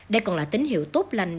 đây còn là tín hiệu tốt lành